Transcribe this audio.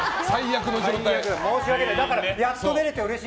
申し訳ない。